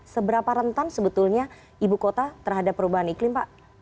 seberapa rentan sebetulnya ibu kota terhadap perubahan iklim pak